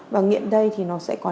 và nghiện đây thì nó sẽ còn